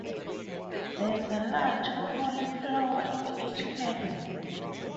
There's a large cauliflower in each candle.